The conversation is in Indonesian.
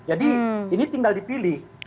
jadi ini tinggal dipilih